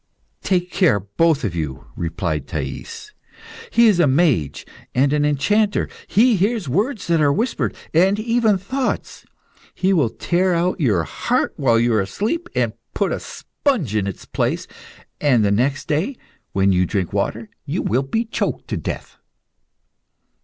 "Take care, both of you!" replied Thais. "He is a mage and an enchanter. He hears words that are whispered, and even thoughts. He will tear out your heart while you are asleep, and put a sponge in its place, and the next day, when you drink water, you will be choked to death."